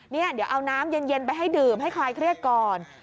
เดี๋ยวเอาน้ำเย็นไปให้ดื่มให้คลายเครียดก่อน